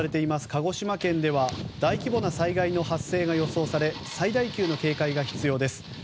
鹿児島県では大規模な災害の発生が予想され最大級の警戒が必要です。